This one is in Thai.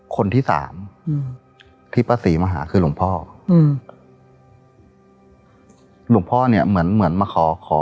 คนที่สามอืมที่ป้าศรีมาหาคือหลวงพ่ออืมหลวงพ่อเนี่ยเหมือนเหมือนมาขอขอ